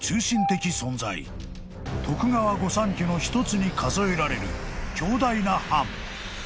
［徳川御三家の一つに数えられる強大な藩］